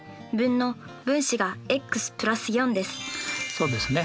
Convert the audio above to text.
そうですね。